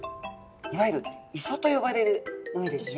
いわゆる磯と呼ばれる海ですね。